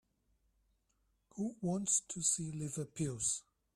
Who wants to see liver pills?